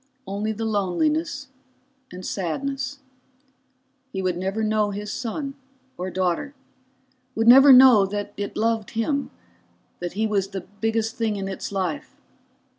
Only the loneliness, and sadness. He would never know his son, or daughter, would never know that it loved him, that he was the biggest thing in its life.